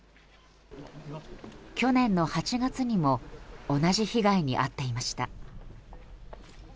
去年の８月にも同じ被害に遭っていました。